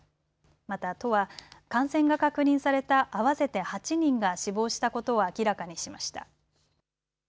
また都は、感染が確認された合わせて８人が死亡したことを明らかにしました。